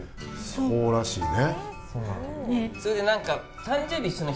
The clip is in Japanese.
そうらしいね。